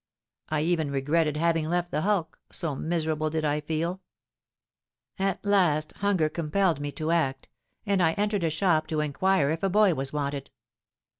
I even regretted having left the hulk, so miserable did I feel. At last hunger compelled me to act; and I entered a shop to inquire if a boy was wanted.